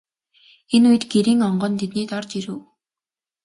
Энэ үед Гэрийн онгон тэднийд орж ирэв.